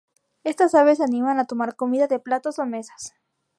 Estas aves se animan a tomar comida de platos o mesas.